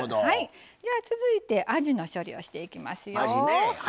続いてあじの処理をしていきますよ。